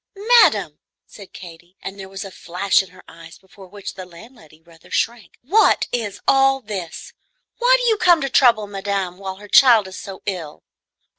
"Madame," said Katy, and there was a flash in her eyes before which the landlady rather shrank, "what is all this? Why do you come to trouble madame while her child is so ill?"